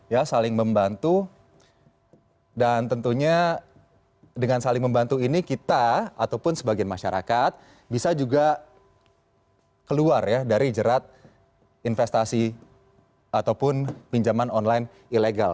ya saling membantu dan tentunya dengan saling membantu ini kita ataupun sebagian masyarakat bisa juga keluar ya dari jerat investasi ataupun pinjaman online ilegal